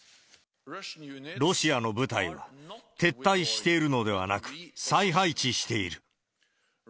ロシアの部隊は撤退しているのではなく、再配置している。